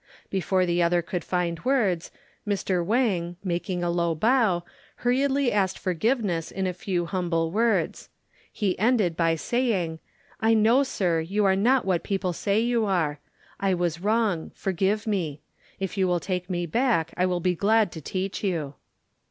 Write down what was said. Before the other could find words, Mr. Wang, making a low bow hurriedly asked forgiveness in a few humble words. He ended by saying, "I know, sir, you are not what people say you are. I was wrong, forgive me. If you will take me back I will be glad to teach you."